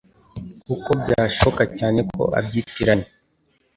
kuko byashoboka cyane ko abyitiranya.